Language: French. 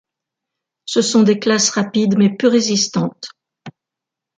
Ce sont des classes rapides mais peu résistantes.